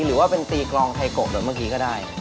หรือว่าเป็นตีกลองไทยโกะแบบเมื่อกี้ก็ได้